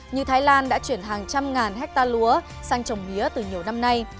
như thái lan đã chuyển hàng trăm ngàn hectare lúa sang trồng mía từ nhiều năm nay